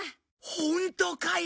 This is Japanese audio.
ホントかよ！？